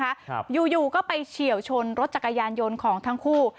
ครับอยู่อยู่ก็ไปเฉียวชนรถจักรยานยนต์ของทั้งคู่